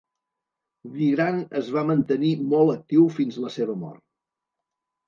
Vigran es va mantenir molt actiu fins la seva mort.